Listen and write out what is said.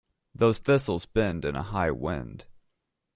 Those thistles bend in a high wind.